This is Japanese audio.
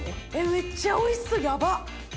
めっちゃおいしそうヤバっ！